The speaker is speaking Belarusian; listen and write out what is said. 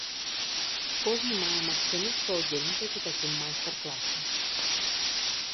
Кожны мае магчымасць паўдзельнічаць у такім майстар-класе.